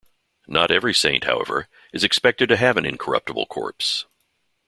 Not every saint, however, is expected to have an incorruptible corpse.